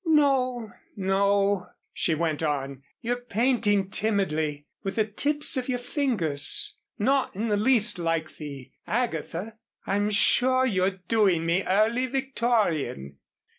"No no," she went on. "You're painting timidly with the tips of your fingers not in the least like the 'Agatha.' I'm sure you're doing me early Victorian."